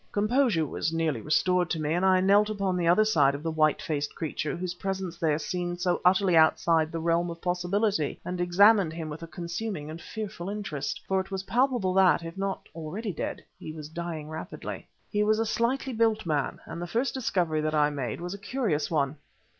Composure was nearly restored to me, and I knelt upon the other side of the white faced creature whose presence there seemed so utterly outside the realm of possibility, and examined him with a consuming and fearful interest; for it was palpable that, if not already dead, he was dying rapidly. He was a slightly built man, and the first discovery that I made was a curious one.